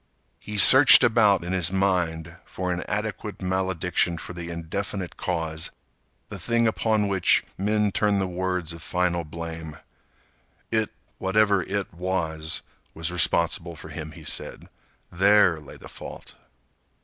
He searched about in his mind for an adequate malediction for the indefinite cause, the thing upon which men turn the words of final blame. It—whatever it was—was responsible for him, he said. There lay the fault.